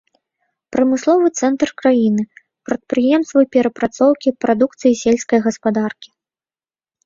Прамысловы цэнтр краіны, прадпрыемствы перапрацоўкі прадукцыі сельскай гаспадаркі.